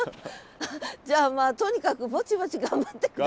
じゃあまあとにかくぼちぼち頑張って下さい。